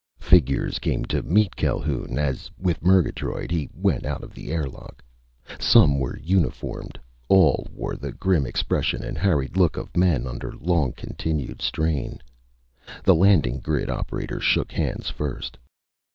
Figures came to meet Calhoun as, with Murgatroyd, he went out of the air lock. Some were uniformed. All wore the grim expression and harried look of men under long continued strain. The landing grid operator shook hands first.